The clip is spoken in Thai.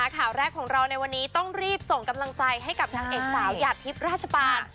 ข่าวแรกของเราในวันนี้ต้องรีบส่งกำลังใจให้กับนางเอกสาวหยาดทิพย์ราชปาน